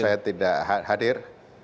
saya tidak hadir